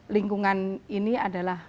lingkungan ini adalah